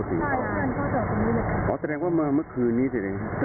จะสามารถกลังมาคือนี้เลยก็สรรค์ค่าเพิ่ม